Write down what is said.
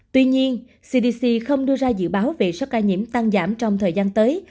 tuy nhiên cdc không đưa ra dự báo về số ca nhiễm tăng giảm trong thời gian tới